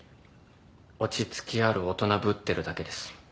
落ち着きある大人ぶってるだけです。